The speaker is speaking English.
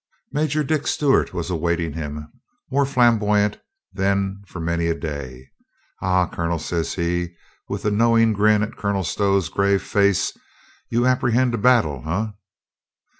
Major Dick Stewart was awaiting him, more flam boyant than for many a day. "Aha, Colonel," 172 COLONEL GREATHEART says he, with a knowing grin at Colonel Stow's grave face, "you apprehend a battle, eh